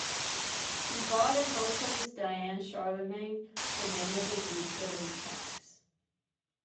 He brought in vocalist Diane Charlemagne for many of the group's early tracks.